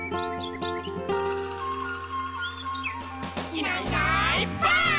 「いないいないばあっ！」